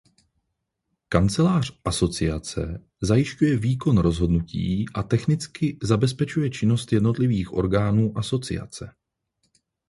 Kancelář Asociace zajišťuje výkon rozhodnutí a technicky zabezpečuje činnost jednotlivých orgánů Asociace.